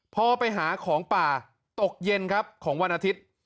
พอไปหาของป่าตกเย็นครับของวันอาทิตย์